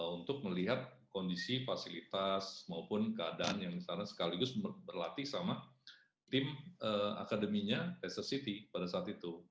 untuk melihat kondisi fasilitas maupun keadaan yang di sana sekaligus berlatih sama tim akademinya tester city pada saat itu